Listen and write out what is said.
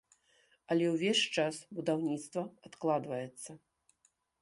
Але ўвесь час будаўніцтва адкладваецца.